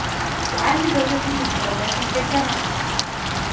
تعاني زوجتي من صعوبات كي تنام.